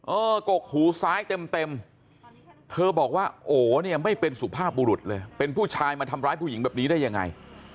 กกหูซ้ายเต็มเธอบอกว่าโอ๋เนี่ยไม่เป็นสุภาพบุรุษเลยเป็นผู้ชายมาทำร้ายผู้หญิงแบบนี้ได้ยังไง